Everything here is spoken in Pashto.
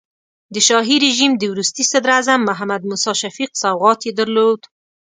د شاهي رژیم د وروستي صدراعظم محمد موسی شفیق سوغات یې درلود.